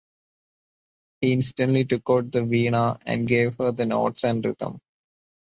He instantly took out the veena and gave her the notes and rhythm.